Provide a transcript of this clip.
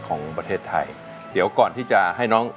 คุณแม่รู้สึกยังไงในตัวของกุ้งอิงบ้าง